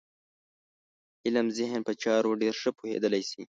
علم ذهن په چارو ډېر ښه پوهېدلی شي.